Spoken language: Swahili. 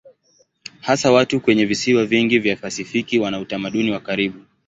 Hasa watu kwenye visiwa vingi vya Pasifiki wana utamaduni wa karibu.